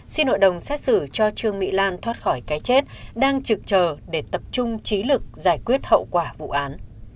xin hội đồng xét xử cho trương mỹ lan thoát khỏi cái chết đang trực chờ để tập trung trí lực giải quyết hậu quả vụ án